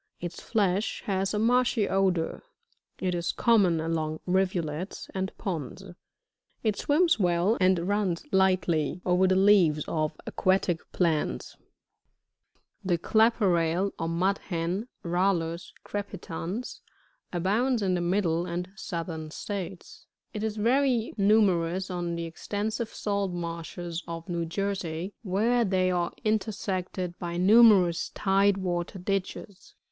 Its flesh has a marshy odour. It is common along rivulets, and ponds ; it swims well and runs lightly over the leaves of aquatic plants. 60. [The Clapper Rail, or MvdHen, — Rallus crepitans, — abounds in the Middle and Southern States. It is very numerous* on the extensive salt marshes of New Jersey, where they are intersected by numerous tide water ditches.